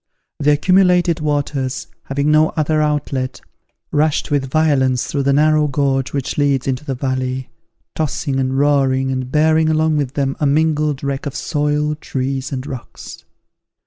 The accumulated waters, having no other outlet, rushed with violence through the narrow gorge which leads into the valley, tossing and roaring, and bearing along with them a mingled wreck of soil, trees, and rocks.